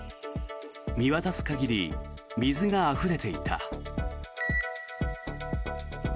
見渡す限り水があふれていた。